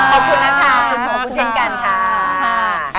ขอบคุณนะคะขอบคุณจริงค่ะ